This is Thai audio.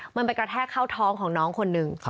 มันไปกระแทกเข้าท้องของน้องคนหนึ่ง